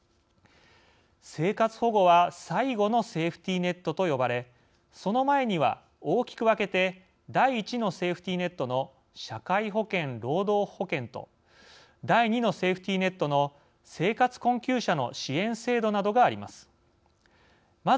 生活保護は最後のセーフティーネットと呼ばれその前には大きく分けて第１のセーフティーネットの社会保険・労働保険と第２のセーフティーネットの生活困窮者の支援制度などがあります。